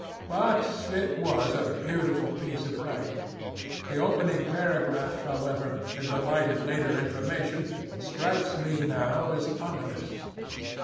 But it was a beautiful piece of writing. The opening paragraph, however, in the light of later information, strikes me now as ominous.